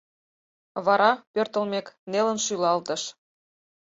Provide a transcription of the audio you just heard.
Вара, пӧртылмек, нелын шӱлалтыш: